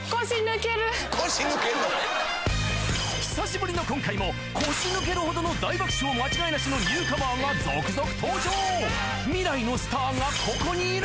久しぶりの今回も腰抜けるほどの大爆笑間違いなしのニューカマーが続々登場未来のスターがここにいる